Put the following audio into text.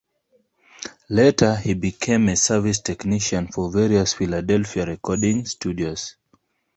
Later, he became a service technician for various Philadelphia recording studios.